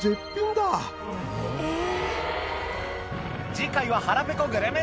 次回は腹ぺこグルメ